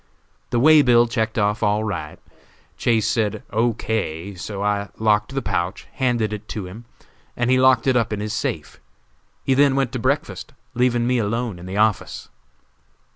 The way bill checked off all right; Chase said "O. K.," so I locked the pouch, handed it to him, and he locked it up in his safe. He then went to breakfast, leaving me alone in the office.